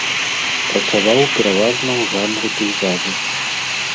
Працаваў пераважна ў жанры пейзажу.